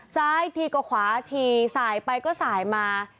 ซ้ายทีก็ขวาทีสายไปก็สายมา